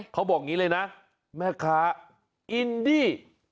เขาบอกนี้เลยนะแม่คะอินดี